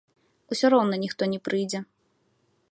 Усё роўна ніхто не прыйдзе.